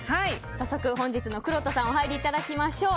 早速本日のくろうとさんお入りいただきましょう。